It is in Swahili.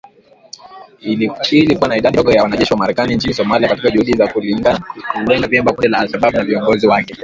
Ili kuwa na idadi ndogo ya wanajeshi wa Marekani nchini Somalia katika juhudi za kulilenga vyema kundi la al-Shabaab na viongozi wake.